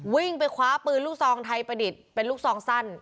วิ่งไปคว้าปืนลูกซองไทยประดิษฐ์เป็นลูกซองสั้น